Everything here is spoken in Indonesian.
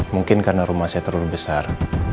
mungkin karena rumah saya terlalu besar